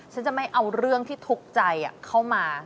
ฉันจะไม่เอาเรื่องที่ทุกข์ใจเข้ามา